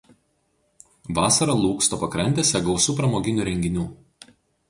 Vasarą Lūksto pakrantėse gausu pramoginių renginių.